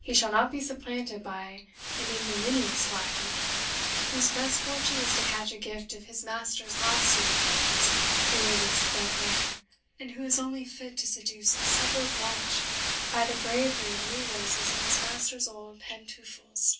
He shall not be supplanted by an ignominious lackey, whose best fortune is to catch a gift of his master's last suit of clothes ere it is threadbare, and who is only fit to seduce a suburb wench by the bravery of new roses in his master's old pantoufles.